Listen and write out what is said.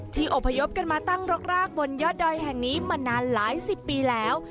อบพยพกันมาตั้งรกรากบนยอดดอยแห่งนี้มานานหลายสิบปีแล้ว